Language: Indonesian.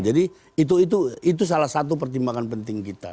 jadi itu salah satu pertimbangan penting kita